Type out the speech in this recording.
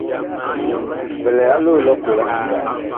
Bi lɛ a loo lʼ ɔkola.